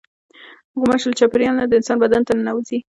غوماشې له چاپېریاله نه د انسان بدن ته ننوځي.